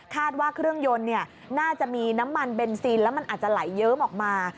ว่าเครื่องยนต์น่าจะมีน้ำมันเบนซินแล้วมันอาจจะไหลเยิ้มออกมา